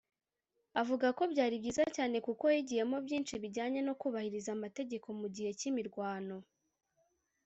avuga ko byari byiza cyane kuko yigiyemo byinshi bijyanye no kubahiriza amategeko mu gihe cy’imirwano